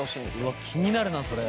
うわ気になるなそれ。